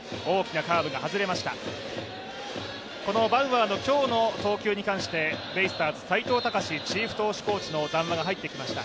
バウアーの今日の投球に関して、ベイスターズ斎藤隆チーフ投手コーチの談話が入ってきました。